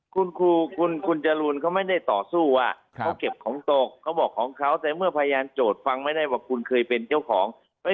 คุณครูคุณจรูนเขาไม่ได้ต่อสู้ว่าเขาเก็บของตกเขาบอกของเขาแต่เมื่อพยานโจทย์ฟังไม่ได้ว่าคุณเคยเป็นเจ้าของ